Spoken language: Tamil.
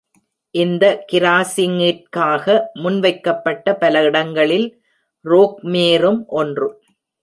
இந்த கிராசிங்கிற்காக முன்வைக்கப்பட்ட பல இடங்களில் ரோக்மேரும் ஒன்று.